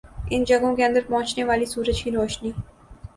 ان جگہوں کے اندر پہنچنے والی سورج کی روشنی